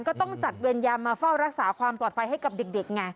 ก็ต้องจัดเวรยามมาเฝ้ารักษาความปลอดภัยให้กับเด็กไง